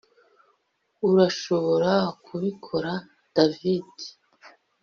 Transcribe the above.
Urashobora kubikora David